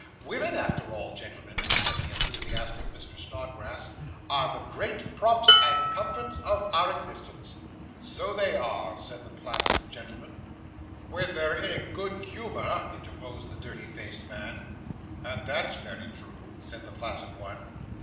'Women, after all, gentlemen,' said the enthusiastic Mr. Snodgrass, 'are the great props and comforts of our existence.' 'So they are,' said the placid gentleman. 'When they're in a good humour,' interposed the dirty faced man. 'And that's very true,' said the placid one.